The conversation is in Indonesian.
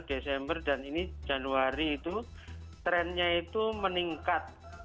desember dan ini januari itu trennya itu meningkat